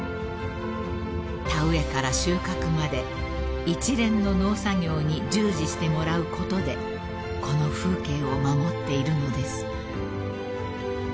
［田植えから収穫まで一連の農作業に従事してもらうことでこの風景を守っているのです］